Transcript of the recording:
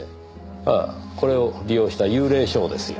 ああこれを利用した幽霊ショーですよ。